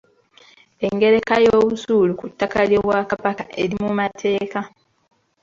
Engereka y'obusuulu ku ttaka ly'Obwakabaka eri mu mateeka.